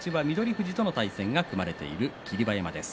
富士との対戦が組まれている霧馬山です。